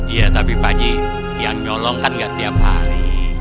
ya tapi pak haji yang nyolong kan nggak tiap hari